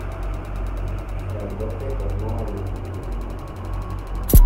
fray Lope tornó a llenarlos: